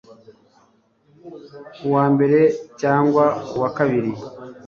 uwambere cyangwa uwa kabiri